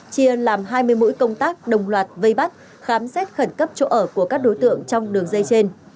chia làm hai mươi mũi công tác đồng loạt vây bắt khám xét khẩn cấp chỗ ở của các đối tượng trong đường dây trên